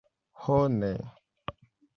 Ho ne!